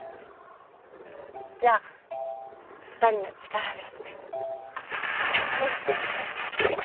じゃあ２人の力ですね。